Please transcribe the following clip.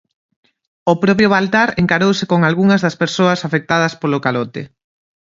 O propio Baltar encarouse con algunha das persoas afectadas polo calote.